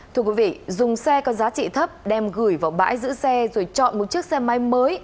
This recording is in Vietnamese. thưa quý vị dùng xe có giá trị thấp đem gửi vào bãi giữ xe rồi chọn một chiếc xe máy mới